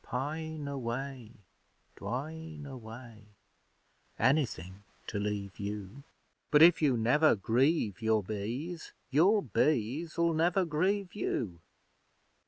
Pine away dwine away Anything to leave you! But if you never grieve your Bees, Your Bees'll never grieve you!